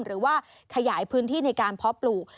หรือว่าขยายพื้นที่ในการเพาะปลูก